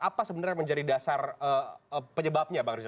apa sebenarnya yang menjadi dasar penyebabnya bang rija